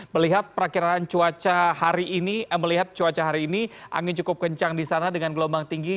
melihat perakhiran cuaca hari ini angin cukup kencang di sana dengan gelombang tinggi